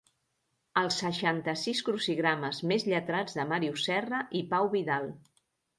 Els seixanta-sis crucigrames més lletrats de Màrius Serra i Pau Vidal.